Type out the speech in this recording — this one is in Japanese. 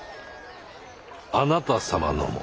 あなた様のも。